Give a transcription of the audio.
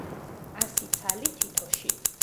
ასი ცალი თითოში.